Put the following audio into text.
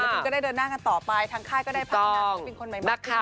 แล้วก็ได้เดินหน้ากันต่อไปทางค่ายก็ได้พาทีนี้เป็นคนใหม่มากกว่า